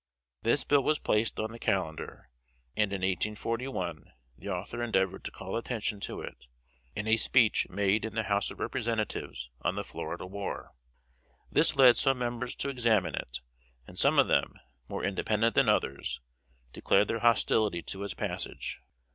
[Sidenote: 1841.] This bill was placed on the calendar, and in 1841 the Author endeavored to call attention to it, in a speech made in the House of Representatives on the "Florida War." This led some members to examine it; and some of them, more independent than others, declared their hostility to its passage.